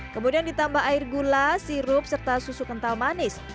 kemudian ditambah air gula sirup serta susu kental manis